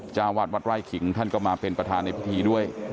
เจ้าวาดวัดไร่ขิงท่านก็มาเป็นประธานในพิธีด้วย